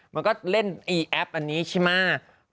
มันก็เล่นอีแอปอันนี้ใช่ไหม